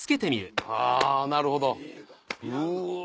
あなるほどうわ。